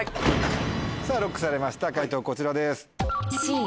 さぁＬＯＣＫされました解答こちらです。